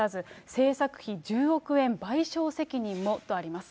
製作費１０億円賠償責任もとあります。